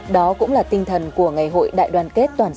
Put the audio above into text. đó cũng là tinh thần của ngày hội đại đoàn kết toàn dân